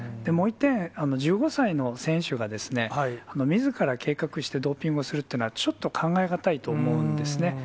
もう一点、１５歳の選手がみずから計画してドーピングをするっていうのは、ちょっと考え難いと思うんですよね。